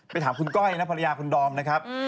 ถามคุณก้อยนะภรรยาคุณดอมนะครับ